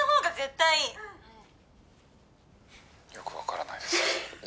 「よくわからないですけど」